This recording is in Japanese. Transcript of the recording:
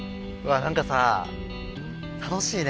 なんかさ楽しいね。